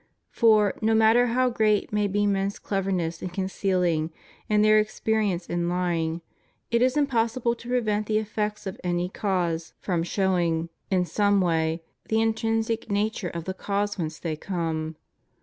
For, no matter how great may be men's cleverness in conceahng and their experience in lying, it is impossible to prevent the effects of any cause from FREEMASONRY. 89 showing, in some way, the intrinsic nature of the cause whence they come.